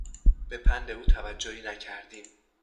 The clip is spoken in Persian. به پند او توجهی نکردیم.